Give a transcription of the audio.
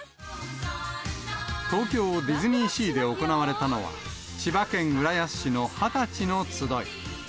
東京ディズニーシーで行われたのは、千葉県浦安市の二十歳の集い。